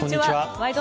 「ワイド！